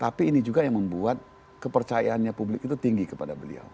tapi ini juga yang membuat kepercayaannya publik itu tinggi kepada beliau